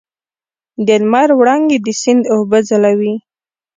د لمر وړانګې د سیند اوبه ځلوي.